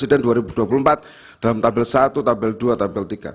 dalam tabel satu dua tiga